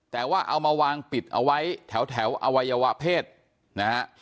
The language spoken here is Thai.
แต่ว่าเอามาวางปิดเอาไว้แถวอวัยวะเพศนะฮะ